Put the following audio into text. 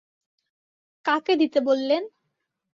কাকে দিতে বললেন?